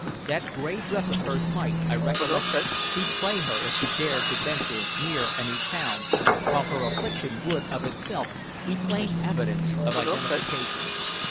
That gray dress of hers might, I recollected, betray her if she dared to venture near any town, while her affliction would, of itself, be plain evidence of identification.